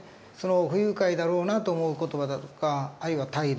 不愉快だろうなと思う言葉だとかあるいは態度